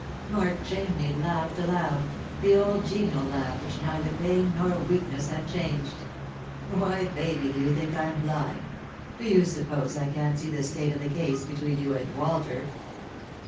Mark Chamney laughed aloud — the old genial laugh which neither pain nor weakness had changed. " Why, Baby, do you think I'm blind? Do you suppose I can't see the state of the case between you and Walter?